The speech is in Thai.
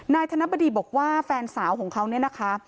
ธนบดีบอกว่าแฟนสาวของเขาเนี่ยนะคะ